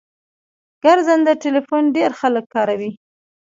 ګرځنده ټلیفون ډیر خلګ کاروي